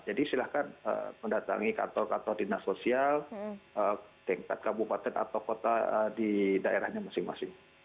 jadi silahkan mendatangi kantor kantor dinas sosial di kabupaten atau kota di daerahnya masing masing